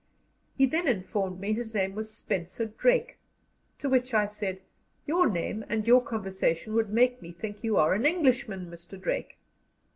He then informed me his name was Spencer Drake, to which I said: "Your name and your conversation would make me think you are an Englishman, Mr. Drake."